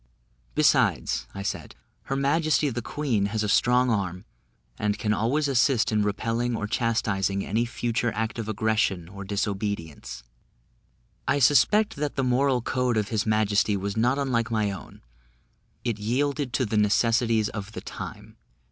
"Besides," I said, "her majesty the queen has a strong arm, and can always assist in repelling or chastising any future act of aggression or disobedience." I suspect that the moral code of his majesty was not unlike my own it yielded to the necessities of the time.